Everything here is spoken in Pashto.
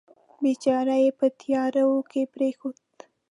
بیچاره یې په تیارو کې پرېښود.